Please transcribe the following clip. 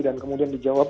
dan kemudian dijawab